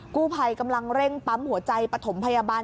กู้ภัยกำลังเร่งปั๊มหัวใจปฐมพยาบาล